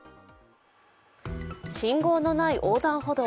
信号のない横断歩道。